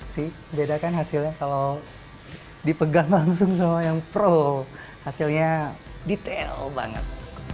sih beda kan hasilnya kalau dipegang langsung sama yang pro hasilnya detail banget